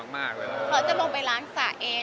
ตั้งแต่ลงไปล้างสระเอง